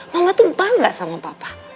mama tuh bangga sama papa